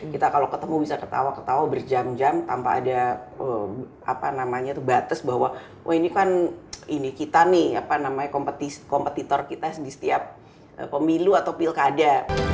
kita kalau ketemu bisa ketawa ketawa berjam jam tanpa ada batas bahwa oh ini kan ini kita nih apa namanya kompetitor kita di setiap pemilu atau pilkada